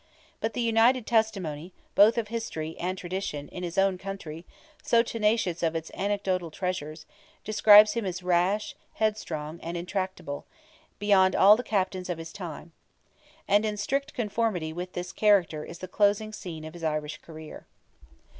But the united testimony, both of history and tradition, in his own country, so tenacious of its anecdotical treasures, describes him as rash, headstrong, and intractable, beyond all the captains of his time. And in strict conformity with this character is the closing scene of his Irish career.